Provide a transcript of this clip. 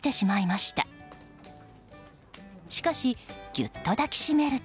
しかし、ぎゅっと抱きしめると。